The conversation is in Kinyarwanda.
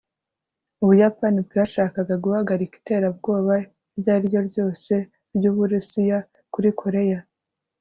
ubuyapani bwashakaga guhagarika iterabwoba iryo ari ryo ryose ry'uburusiya kuri koreya